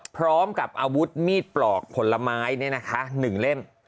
พร้อมกับอาวุธมีดปลอกผลไม้นี่นะคะหนึ่งเล่ม